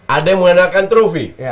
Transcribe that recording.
ada yang mengandalkan trophy